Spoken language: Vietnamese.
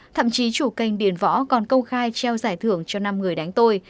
thậm chí chủ kênh điền võ còn công khai trao giải thưởng cho năm người đánh tôi